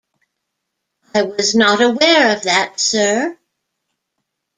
I was not aware of that, sir.